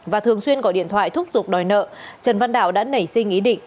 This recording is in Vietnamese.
và thường xuyên gọi điện thoại thúc giục đòi nợ trần văn đạo đã nảy sinh ý định